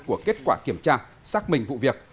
của kết quả kiểm tra xác minh vụ việc